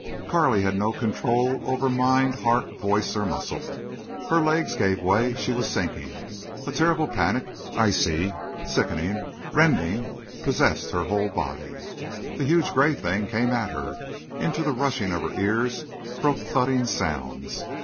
Carley had no control over mind, heart, voice, or muscle. Her legs gave way. She was sinking. A terrible panic, icy, sickening, rending, possessed her whole body. The huge gray thing came at her. Into the rushing of her ears broke thudding sounds.